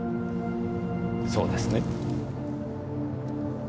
そうですね？